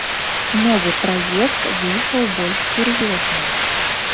Новы праект выйшаў больш сур'ёзны.